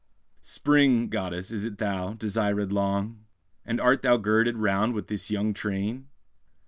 _ Spring, goddess, is it thou, desirèd long? And art thou girded round with this young train?